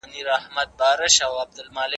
ما اورېدلي چي بې نظمه مواد څېړنه خرابوي.